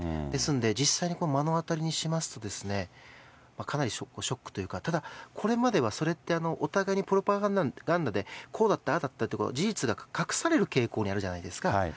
ですので実際に目の当たりにしますと、かなりショックというか、ただ、これまではそれってお互いにプロパガンダで、こうだった、ああだったって、事実が隠される傾向にあるじゃないですか。